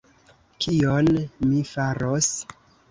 Kion mi faros?